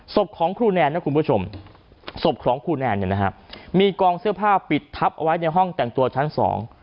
ศพของครูแนนนะคุณผู้ชมศพของครูแนนเนี่ยนะฮะมีกองเสื้อผ้าปิดทับเอาไว้ในห้องแต่งตัวชั้นสอง